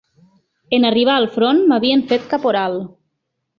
En arribar al front, m'havien fet caporal